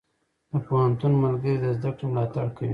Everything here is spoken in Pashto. د پوهنتون ملګري د زده کړې ملاتړ کوي.